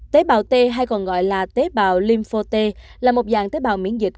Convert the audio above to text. tế bào t hay còn gọi là tế bào limpho t là một dạng tế bào miễn dịch